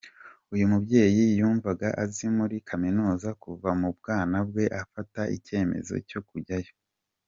Uyu mubyeyi ymvuga aziga muri kaminuza kuva mu bwana bwe, afata icyemezo cyo kujyayo.